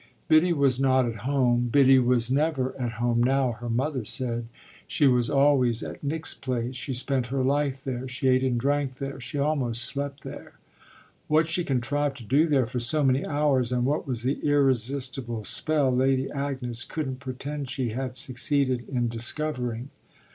Biddy was not at home Biddy was never at home now, her mother said: she was always at Nick's place, she spent her life there, she ate and drank there, she almost slept there. What she contrived to do there for so many hours and what was the irresistible spell Lady Agnes couldn't pretend she had succeeded in discovering.